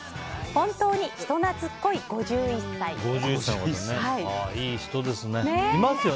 本当に人懐っこい５１歳です。